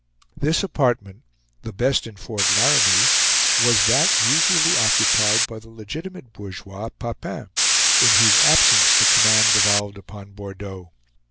This apartment, the best in Fort Laramie, was that usually occupied by the legitimate bourgeois, Papin; in whose absence the command devolved upon Bordeaux.